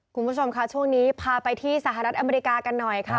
คุณผู้ชมค่ะช่วงนี้พาไปที่สหรัฐอเมริกากันหน่อยค่ะ